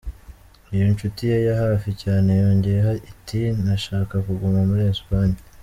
Iyo nshuti ye ya hafi cyane yongeyeho iti: "Ntashaka kuguma muri Espanye.